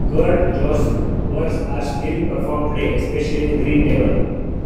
Kurt Jooss works are still performed today, especially "The Green Table".